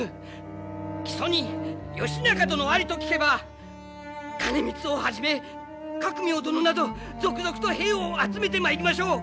木曽に義仲殿ありと聞けば兼光をはじめ覚明殿など続々と兵を集めてまいりましょう！